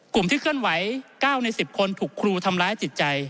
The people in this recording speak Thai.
กลุ่มที่เคลื่อนไหว๙ใน๑๐คนถูกครูทำร้ายจิตใจ